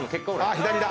左だ。